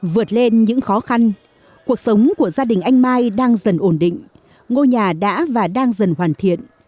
vượt lên những khó khăn cuộc sống của gia đình anh mai đang dần ổn định ngôi nhà đã và đang dần hoàn thiện